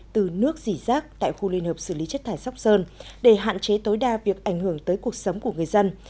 từ nước dỉ rác tại khu liên hợp xử lý chất thải sóc sơn để hạn chế tối đa việc ảnh hưởng tới cuộc sống của người dân